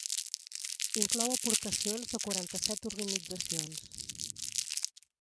Inclou aportacions de quaranta-set organitzacions.